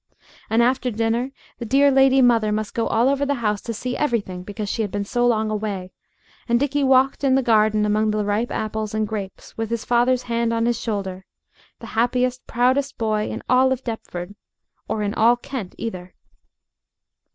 And after dinner the dear lady mother must go all over the house to see everything, because she had been so long away, and Dickie walked in the garden among the ripe apples and grapes with his father's hand on his shoulder, the happiest, proudest boy in all Deptford or in all Kent either.